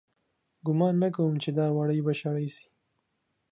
گومان نه کوم چې دا وړۍ به شړۍ سي